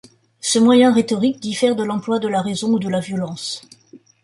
Ce moyen rhétorique diffère de l'emploi de la raison ou de la violence.